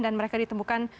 dan mereka ditemukan